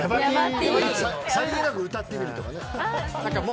さりげなく歌ってみるとかね。